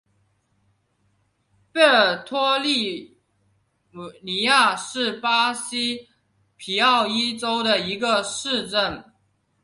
贝尔托利尼亚是巴西皮奥伊州的一个市镇。